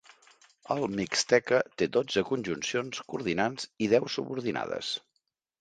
El mixteca té dotze conjuncions, coordinants i deu subordinades.